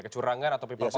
kecurangan atau pimpinan apa